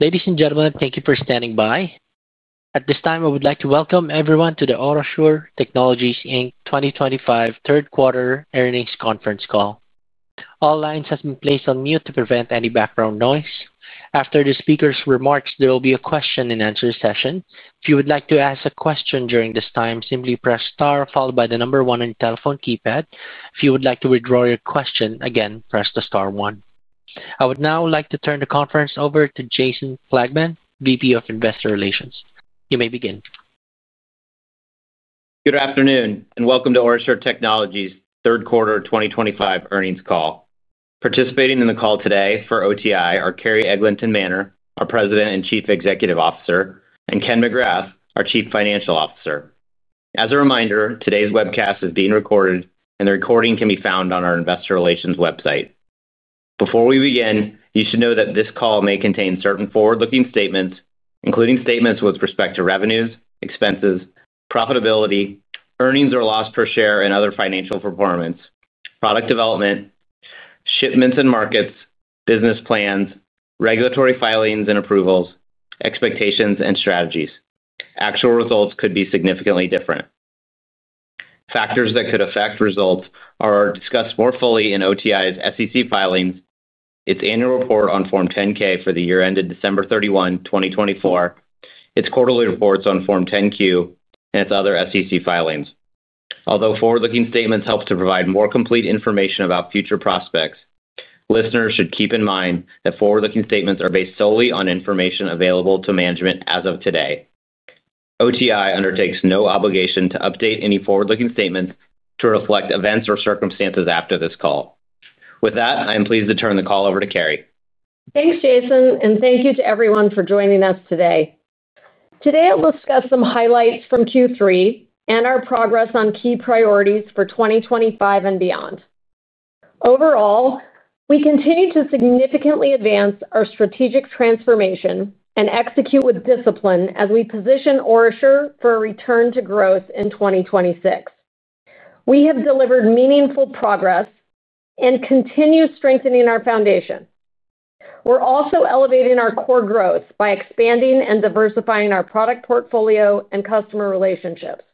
Ladies and gentlemen, thank you for standing by. At this time, I would like to welcome everyone to the OraSure Technologies Inc 2025 Third Quarter Earnings Conference Call. All lines have been placed on mute to prevent any background noise. After the speakers' remarks, there will be a question-and-answer session. If you would like to ask a question during this time, simply press star followed by the number one on your telephone keypad. If you would like to withdraw your question again, press the star one. I would now like to turn the conference over to Jason Plagman, VP of Investor Relations. You may begin. Good afternoon and welcome to OraSure Technologies Third Quarter 2025 Earnings Call. Participating in the call today for OTI are Carrie Eglinton Manner, our President and Chief Executive Officer, and Ken McGrath, our Chief Financial Officer. As a reminder, today's webcast is being recorded, and the recording can be found on our Investor Relations website. Before we begin, you should know that this call may contain certain forward-looking statements, including statements with respect to revenues, expenses, profitability, earnings or loss per share, and other financial performance, product development, shipments and markets, business plans, regulatory filings and approvals, expectations, and strategies. Actual results could be significantly different. Factors that could affect results are discussed more fully in OTI's SEC filings, its annual report on Form 10-K for the year ended December 31, 2024, its quarterly reports on Form 10-Q, and its other SEC filings. Although forward-looking statements help to provide more complete information about future prospects, listeners should keep in mind that forward-looking statements are based solely on information available to management as of today. OTI undertakes no obligation to update any forward-looking statements to reflect events or circumstances after this call. With that, I am pleased to turn the call over to Carrie. Thanks, Jason, and thank you to everyone for joining us today. Today, I'll discuss some highlights from Q3 and our progress on key priorities for 2025 and beyond. Overall, we continue to significantly advance our strategic transformation and execute with discipline as we position OraSure for a return to growth in 2026. We have delivered meaningful progress. We continue strengthening our foundation. We're also elevating our core growth by expanding and diversifying our product portfolio and customer relationships.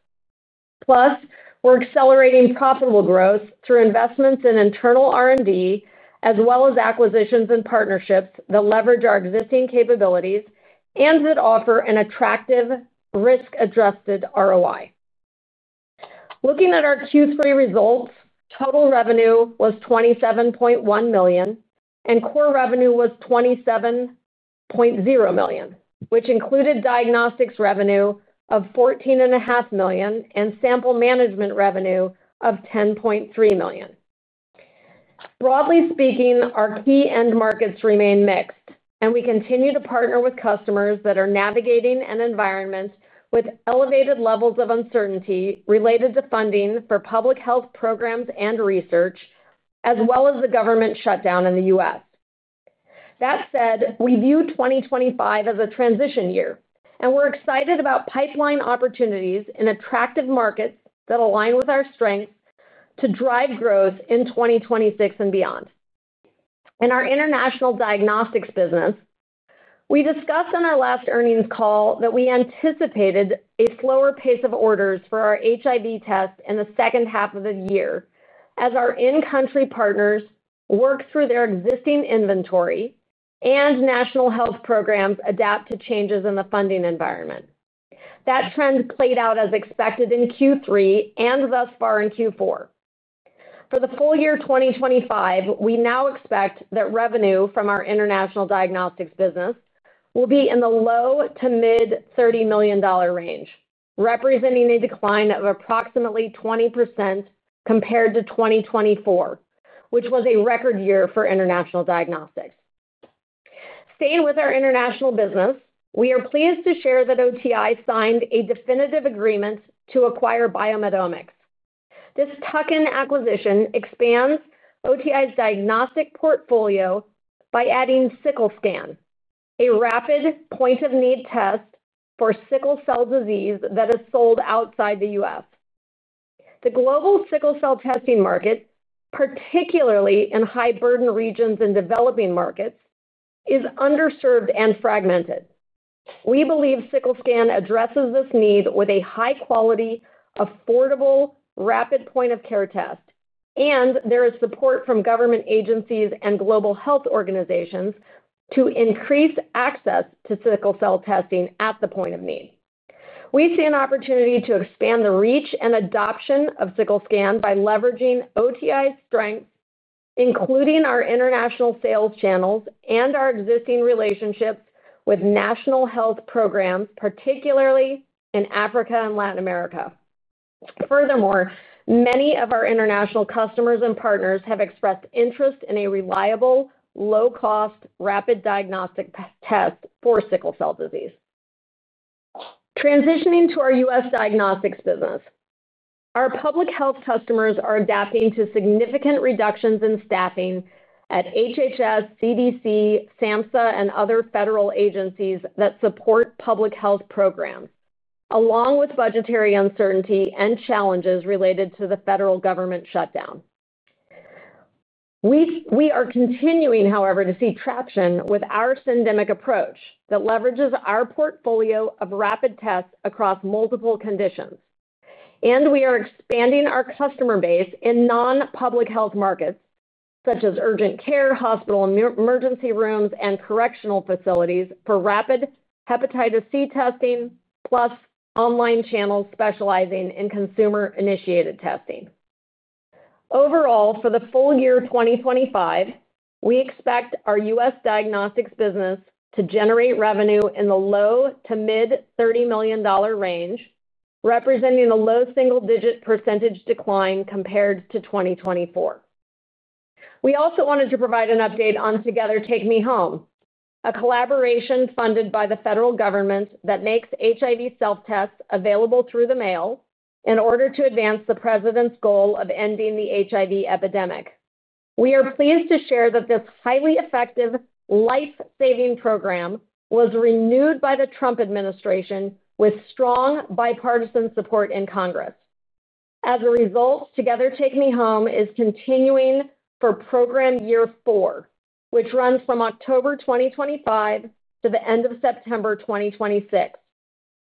Plus, we're accelerating profitable growth through investments in internal R&D as well as acquisitions and partnerships that leverage our existing capabilities and that offer an attractive risk-adjusted ROI. Looking at our Q3 results, total revenue was $27.1 million, and core revenue was $27.0 million, which included diagnostics revenue of $14.5 million and sample management revenue of $10.3 million. Broadly speaking, our key end markets remain mixed, and we continue to partner with customers that are navigating an environment with elevated levels of uncertainty related to funding for public health programs and research, as well as the government shutdown in the U.S. That said, we view 2025 as a transition year, and we're excited about pipeline opportunities in attractive markets that align with our strengths to drive growth in 2026 and beyond. In our international diagnostics business, we discussed in our last earnings call that we anticipated a slower pace of orders for our HIV test in the second half of the year as our in-country partners work through their existing inventory and national health programs adapt to changes in the funding environment. That trend played out as expected in Q3 and thus far in Q4. For the full year 2025, we now expect that revenue from our international diagnostics business will be in the low to mid-$30 million range, representing a decline of approximately 20% compared to 2024, which was a record year for international diagnostics. Staying with our international business, we are pleased to share that OTI signed a definitive agreement to acquire BioMedomics. This tuck-in acquisition expands OTI's diagnostic portfolio by adding Sickle SCAN, a rapid point-of-need test for sickle cell disease that is sold outside the U.S. The global sickle cell testing market, particularly in high-burden regions and developing markets, is underserved and fragmented. We believe Sickle SCAN addresses this need with a high-quality, affordable, rapid point-of-care test, and there is support from government agencies and global health organizations to increase access to sickle cell testing at the point of need. We see an opportunity to expand the reach and adoption of Sickle SCAN by leveraging OTI's strengths, including our international sales channels and our existing relationships with national health programs, particularly in Africa and Latin America. Furthermore, many of our international customers and partners have expressed interest in a reliable, low-cost, rapid diagnostic test for sickle cell disease. Transitioning to our U.S. diagnostics business. Our public health customers are adapting to significant reductions in staffing at HHS, CDC, SAMHSA, and other federal agencies that support public health programs, along with budgetary uncertainty and challenges related to the federal government shutdown. We are continuing, however, to see traction with our syndemic approach that leverages our portfolio of rapid tests across multiple conditions, and we are expanding our customer base in non-public health markets such as urgent care, hospital emergency rooms, and correctional facilities for rapid hepatitis C testing, plus online channels specializing in consumer-initiated testing. Overall, for the full year 2025, we expect our U.S. diagnostics business to generate revenue in the low to mid-$30 million range, representing a low single-digit percentage decline compared to 2024. We also wanted to provide an update on Together TakeMeHome, a collaboration funded by the federal government that makes HIV self-tests available through the mail in order to advance the President's goal of ending the HIV epidemic. We are pleased to share that this highly effective, life-saving program was renewed by the Trump administration with strong bipartisan support in Congress. As a result, Together TakeMeHome is continuing for program year four, which runs from October 2025 to the end of September 2026.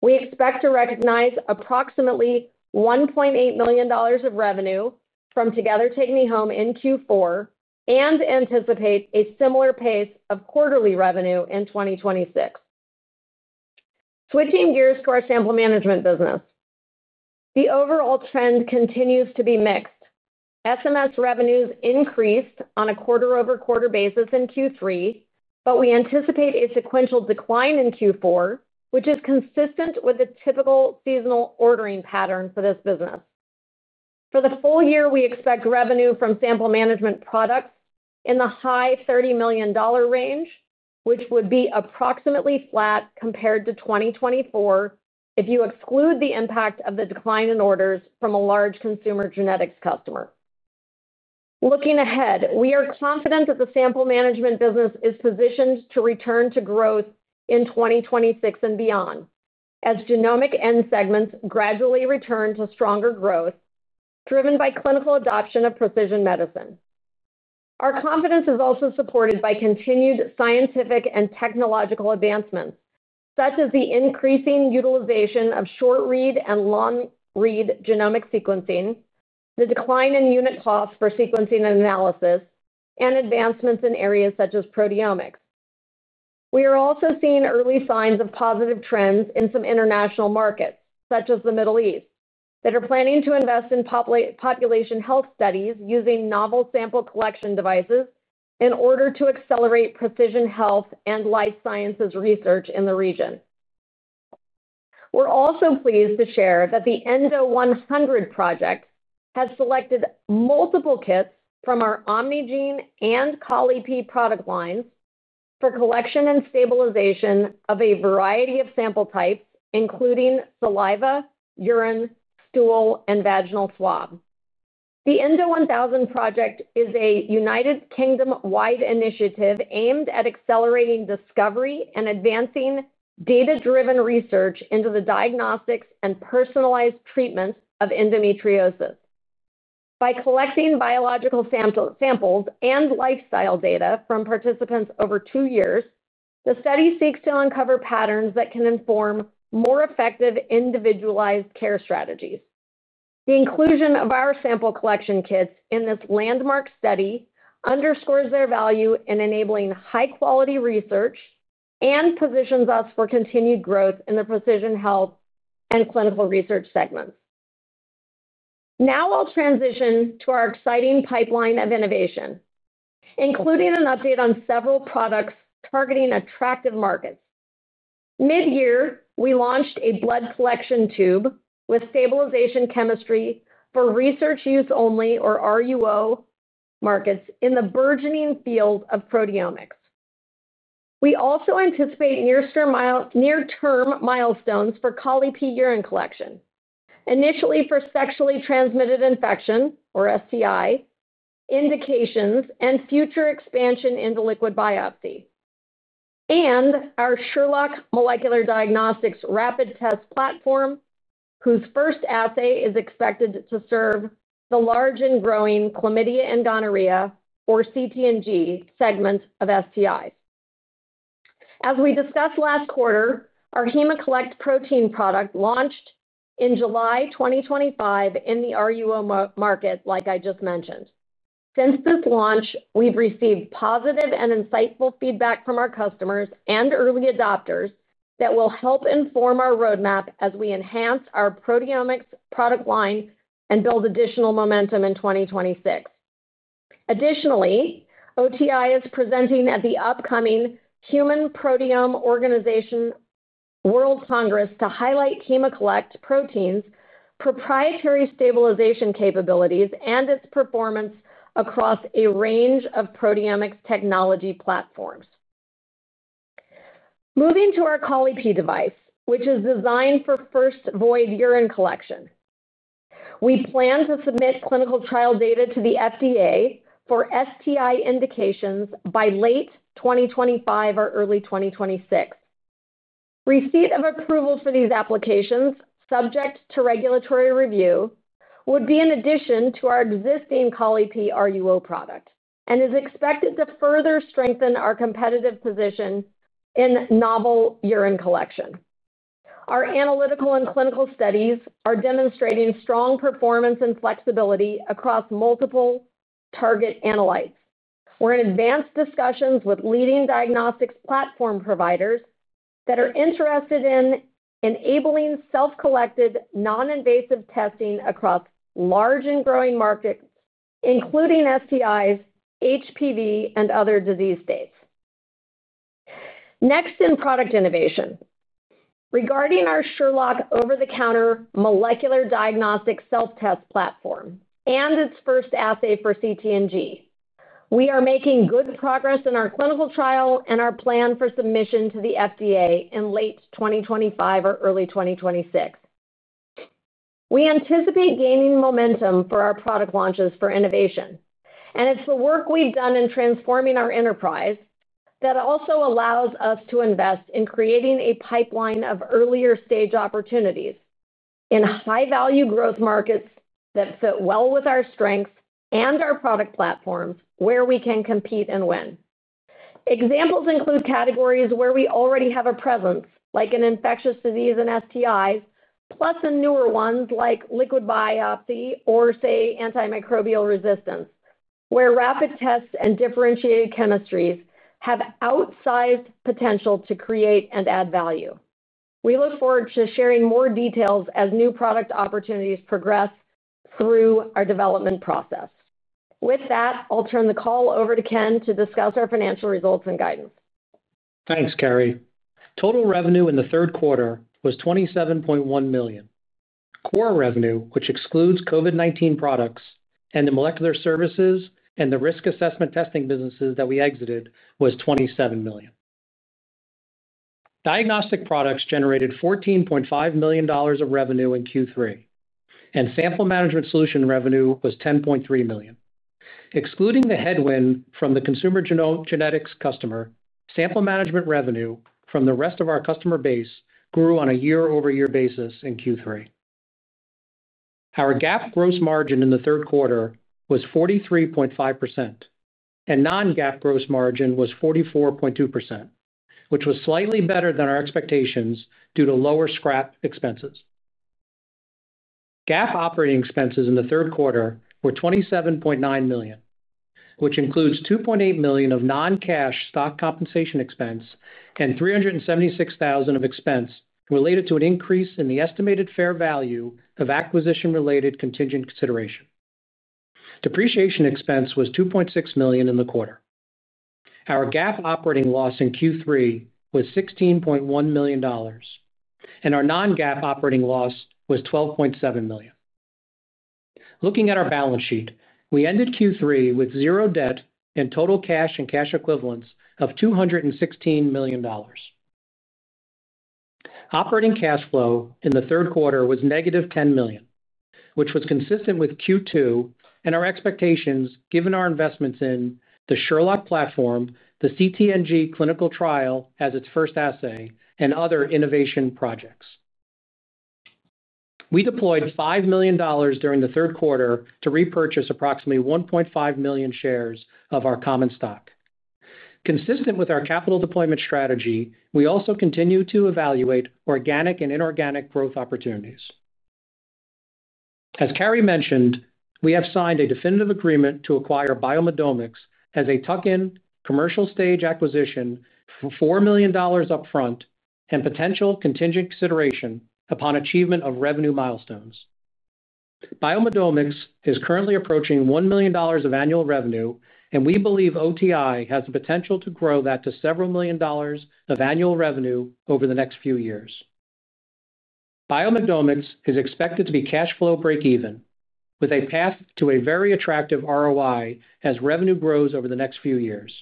We expect to recognize approximately $1.8 million of revenue from Together TakeMeHome in Q4 and anticipate a similar pace of quarterly revenue in 2026. Switching gears to our sample management business. The overall trend continues to be mixed. SMS revenues increased on a quarter-over-quarter basis in Q3, but we anticipate a sequential decline in Q4, which is consistent with the typical seasonal ordering pattern for this business. For the full year, we expect revenue from sample management products in the high $30 million range, which would be approximately flat compared to 2024 if you exclude the impact of the decline in orders from a large consumer genetics customer. Looking ahead, we are confident that the sample management business is positioned to return to growth in 2026 and beyond as genomic end segments gradually return to stronger growth driven by clinical adoption of precision medicine. Our confidence is also supported by continued scientific and technological advancements, such as the increasing utilization of short-read and long-read genomic sequencing, the decline in unit costs for sequencing and analysis, and advancements in areas such as proteomics. We are also seeing early signs of positive trends in some international markets, such as the Middle East, that are planning to invest in population health studies using novel sample collection devices in order to accelerate precision health and life sciences research in the region. We're also pleased to share that the ENDO-1000 project has selected multiple kits from our OMNIgene and Colli-Pee product lines for collection and stabilization of a variety of sample types, including saliva, urine, stool, and vaginal swab. The ENDO1000 project is a United Kingdom-wide initiative aimed at accelerating discovery and advancing data-driven research into the diagnostics and personalized treatments of endometriosis. By collecting biological samples and lifestyle data from participants over two years, the study seeks to uncover patterns that can inform more effective individualized care strategies. The inclusion of our sample collection kits in this landmark study underscores their value in enabling high-quality research and positions us for continued growth in the precision health and clinical research segments. Now I'll transition to our exciting pipeline of innovation, including an update on several products targeting attractive markets. Mid-year, we launched a blood collection tube with stabilization chemistry for research use only, or RUO, markets in the burgeoning field of proteomics. We also anticipate near-term milestones for Colli-Pee urine collection, initially for sexually transmitted infection, or STI, indications, and future expansion into liquid biopsy. Our Sherlock Molecular Diagnostics Rapid Test Platform, whose first assay is expected to serve the large and growing chlamydia and gonorrhea, or CT&G, segments of STIs. As we discussed last quarter, our HEMAcollect protein product launched in July 2025 in the RUO market, like I just mentioned. Since this launch, we've received positive and insightful feedback from our customers and early adopters that will help inform our roadmap as we enhance our proteomics product line and build additional momentum in 2026. Additionally, OTI is presenting at the upcoming Human Proteome Organization World Congress to highlight HEMAcollect protein's proprietary stabilization capabilities and its performance across a range of proteomics technology platforms. Moving to our Colli-Pee device, which is designed for first void urine collection. We plan to submit clinical trial data to the FDA for STI indications by late 2025 or early 2026. Receipt of approvals for these applications, subject to regulatory review, would be in addition to our existing Colli-Pee RUO product and is expected to further strengthen our competitive position. In novel urine collection, our analytical and clinical studies are demonstrating strong performance and flexibility across multiple target analytes. We're in advanced discussions with leading diagnostics platform providers that are interested in enabling self-collected non-invasive testing across large and growing markets, including STIs, HPV, and other disease states. Next in product innovation. Regarding our Sherlock over-the-counter molecular diagnostic self-test platform and its first assay for CT&G, we are making good progress in our clinical trial and our plan for submission to the FDA in late 2025 or early 2026. We anticipate gaining momentum for our product launches for innovation, and it is the work we have done in transforming our enterprise that also allows us to invest in creating a pipeline of earlier stage opportunities. In high-value growth markets that fit well with our strengths and our product platforms where we can compete and win. Examples include categories where we already have a presence, like in infectious disease and STIs, plus the newer ones like liquid biopsy or, say, antimicrobial resistance, where rapid tests and differentiated chemistries have outsized potential to create and add value. We look forward to sharing more details as new product opportunities progress through our development process. With that, I'll turn the call over to Ken to discuss our financial results and guidance. Thanks, Carrie. Total revenue in the third quarter was $27.1 million. Core revenue, which excludes COVID-19 products and the molecular services and the risk assessment testing businesses that we exited, was $27 million. Diagnostic products generated $14.5 million of revenue in Q3, and sample management solution revenue was $10.3 million. Excluding the headwind from the consumer genetics customer, sample management revenue from the rest of our customer base grew on a year-over-year basis in Q3. Our GAAP gross margin in the third quarter was 43.5%. Non-GAAP gross margin was 44.2%, which was slightly better than our expectations due to lower scrap expenses. GAAP operating expenses in the third quarter were $27.9 million, which includes $2.8 million of non-cash stock compensation expense and $376,000 of expense related to an increase in the estimated fair value of acquisition-related contingent consideration. Depreciation expense was $2.6 million in the quarter. Our GAAP operating loss in Q3 was $16.1 million. Our non-GAAP operating loss was $12.7 million. Looking at our balance sheet, we ended Q3 with zero debt and total cash and cash equivalents of $216 million. Operating cash flow in the third quarter was -$10 million, which was consistent with Q2 and our expectations given our investments in the Sherlock platform, the CT&G clinical trial as its first assay, and other innovation projects. We deployed $5 million during the third quarter to repurchase approximately 1.5 million shares of our common stock. Consistent with our capital deployment strategy, we also continue to evaluate organic and inorganic growth opportunities. As Carrie mentioned, we have signed a definitive agreement to acquire BioMedomics as a tuck-in commercial stage acquisition for $4 million upfront and potential contingent consideration upon achievement of revenue milestones. BioMedomics is currently approaching $1 million of annual revenue, and we believe OTI has the potential to grow that to several million dollars of annual revenue over the next few years. BioMedomics is expected to be cash flow breakeven, with a path to a very attractive ROI as revenue grows over the next few years.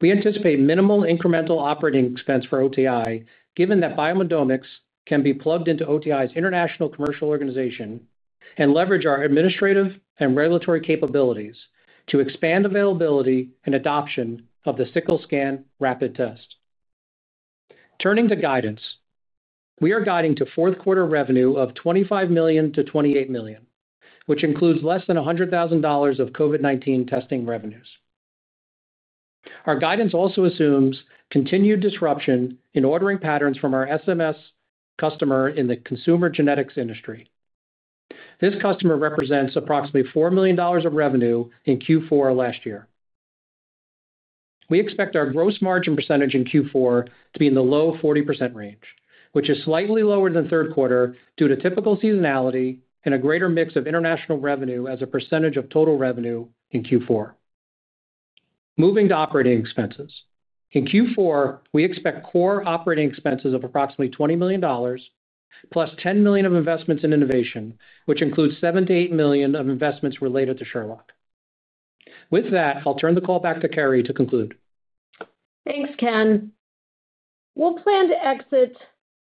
We anticipate minimal incremental operating expense for OTI, given that BioMedomics can be plugged into OTI's international commercial organization and leverage our administrative and regulatory capabilities to expand availability and adoption of the Sickle SCAN rapid test. Turning to guidance, we are guiding to fourth quarter revenue of $25 million-$28 million, which includes less than $100,000 of COVID-19 testing revenues. Our guidance also assumes continued disruption in ordering patterns from our SMS customer in the consumer genetics industry. This customer represents approximately $4 million of revenue in Q4 last year. We expect our gross margin percentage in Q4 to be in the low 40% range, which is slightly lower than third quarter due to typical seasonality and a greater mix of international revenue as a percentage of total revenue in Q4. Moving to operating expenses. In Q4, we expect core operating expenses of approximately $20 million, plus $10 million of investments in innovation, which includes $7-$8 million of investments related to Sherlock. With that, I'll turn the call back to Carrie to conclude. Thanks, Ken. We'll plan to exit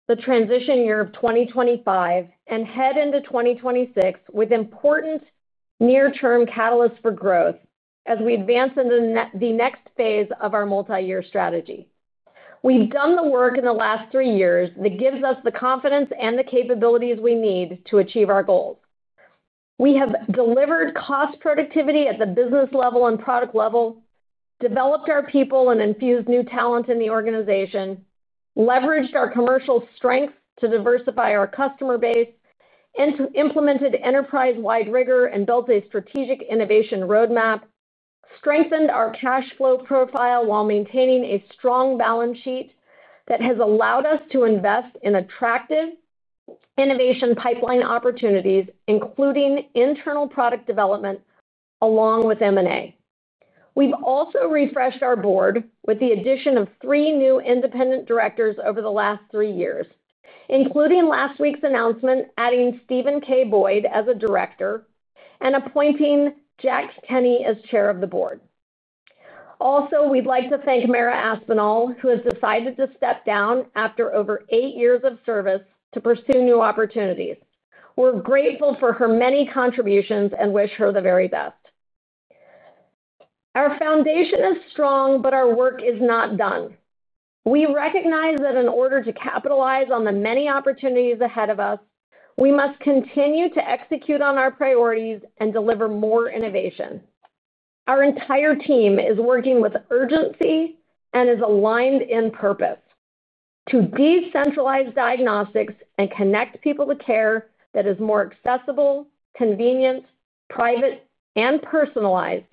the transition year of 2025 and head into 2026 with important near-term catalysts for growth as we advance into the next phase of our multi-year strategy. We've done the work in the last three years that gives us the confidence and the capabilities we need to achieve our goals. We have delivered cost productivity at the business level and product level, developed our people and infused new talent in the organization, leveraged our commercial strength to diversify our customer base, and implemented enterprise-wide rigor and built a strategic innovation roadmap, strengthened our cash flow profile while maintaining a strong balance sheet that has allowed us to invest in attractive innovation pipeline opportunities, including internal product development along with M&A. We've also refreshed our board with the addition of three new independent directors over the last three years, including last week's announcement, adding Steven K. Boyd as a director and appointing Jack Kenny as chair of the board. Also, we'd like to thank Mara Aspinall, who has decided to step down after over eight years of service to pursue new opportunities. We're grateful for her many contributions and wish her the very best. Our foundation is strong, but our work is not done. We recognize that in order to capitalize on the many opportunities ahead of us, we must continue to execute on our priorities and deliver more innovation. Our entire team is working with urgency and is aligned in purpose to decentralize diagnostics and connect people to care that is more accessible, convenient, private, and personalized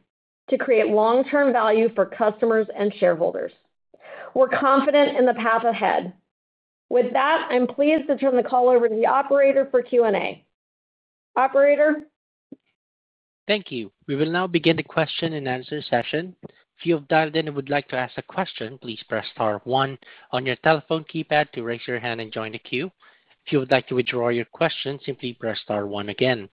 to create long-term value for customers and shareholders. We're confident in the path ahead. With that, I'm pleased to turn the call over to the operator for Q&A. Operator. Thank you. We will now begin the question-and-answer session. If you have dialed in and would like to ask a question, please press star one on your telephone keypad to raise your hand and join the queue. If you would like to withdraw your question, simply press star one again.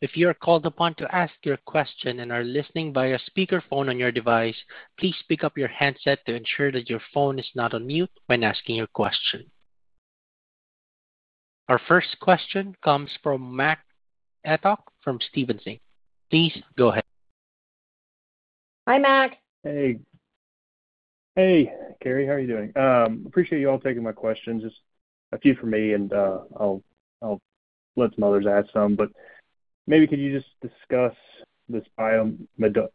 If you are called upon to ask your question and are listening via speakerphone on your device, please pick up your headset to ensure that your phone is not on mute when asking your question. Our first question comes from Mac Etoch from Stephens Inc. Please go ahead. Hi, Mac. Hey. Hey, Carrie. How are you doing? Appreciate you all taking my questions. Just a few for me, and I'll let some others ask some. But maybe could you just discuss this BioMedomics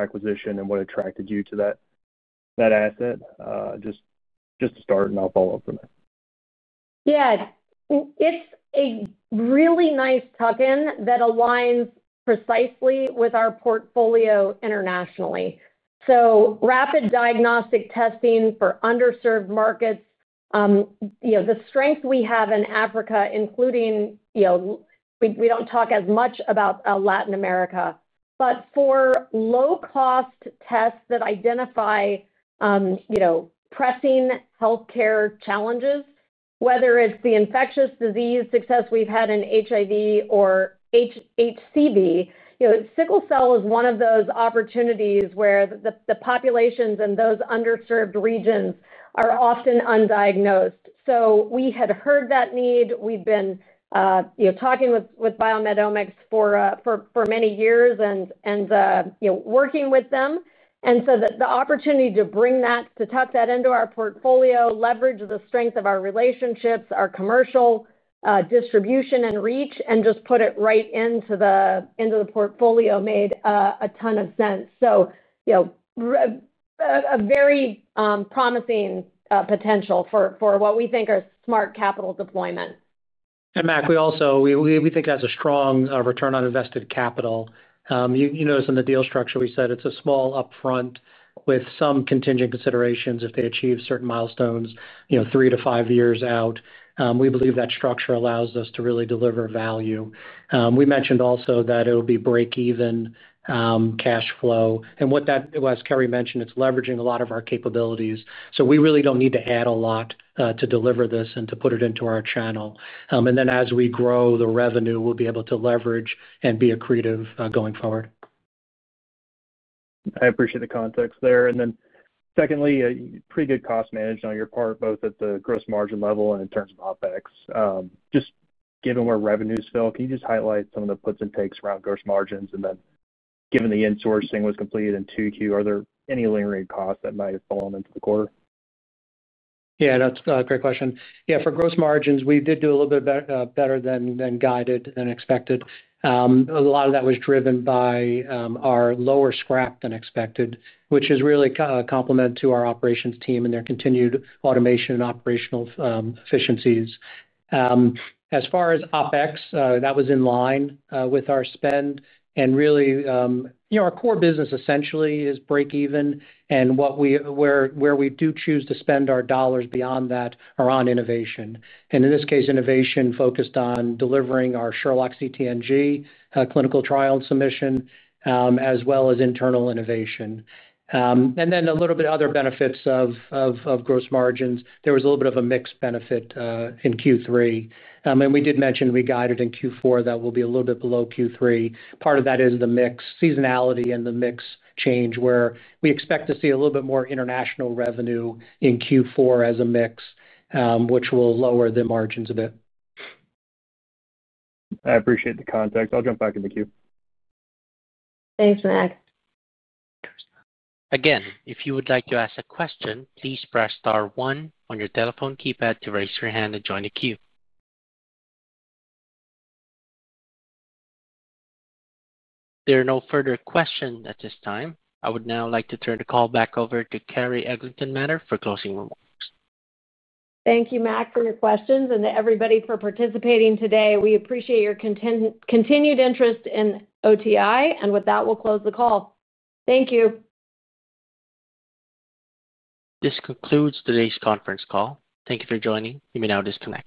acquisition and what attracted you to that asset? Just to start, and I'll follow up from there. Yeah. It's a really nice tuck-in that aligns precisely with our portfolio internationally. Rapid diagnostic testing for underserved markets. The strength we have in Africa, including. We don't talk as much about Latin America, but for low-cost tests that identify pressing healthcare challenges, whether it's the infectious disease success we've had in HIV or HCV, sickle cell is one of those opportunities where the populations in those underserved regions are often undiagnosed. We had heard that need. We've been talking with BioMedomics for many years and working with them. The opportunity to bring that, to tuck that into our portfolio, leverage the strength of our relationships, our commercial distribution and reach, and just put it right into the portfolio made a ton of sense. A very promising potential for what we think are smart capital deployments. Mac, we think that's a strong return on invested capital. You noticed in the deal structure we said it's a small upfront with some contingent considerations if they achieve certain milestones three to five years out. We believe that structure allows us to really deliver value. We mentioned also that it will be breakeven cash flow. What that was, Carrie mentioned, it's leveraging a lot of our capabilities. We really don't need to add a lot to deliver this and to put it into our channel. As we grow the revenue, we'll be able to leverage and be accretive going forward. I appreciate the context there. Secondly, pretty good cost management on your part, both at the gross margin level and in terms of OpEx. Just given where revenues fell, can you just highlight some of the puts and takes around gross margins? Given the insourcing was completed in Q2, are there any lingering costs that might have fallen into the quarter? Yeah, that's a great question. Yeah, for gross margins, we did do a little bit better than guided and expected. A lot of that was driven by our lower scrap than expected, which is really a complement to our operations team and their continued automation and operational efficiencies. As far as OpEx, that was in line with our spend. Really, our core business essentially is breakeven. Where we do choose to spend our dollars beyond that are on innovation. In this case, innovation focused on delivering our Sherlock CT&G clinical trial submission, as well as internal innovation. Then a little bit of other benefits of gross margins. There was a little bit of a mixed benefit in Q3. We did mention we guided in Q4 that will be a little bit below Q3. Part of that is the mixed seasonality and the mixed change, where we expect to see a little bit more international revenue in Q4 as a mix, which will lower the margins a bit. I appreciate the context. I'll jump back in the queue. Thanks, Mac. Again, if you would like to ask a question, please press star one on your telephone keypad to raise your hand and join the queue. There are no further questions at this time. I would now like to turn the call back over to Carrie Eglinton Manner for closing remarks. Thank you, Mac, for your questions and to everybody for participating today. We appreciate your continued interest in OTI, and with that, we'll close the call. Thank you. This concludes today's conference call. Thank you for joining. You may now disconnect.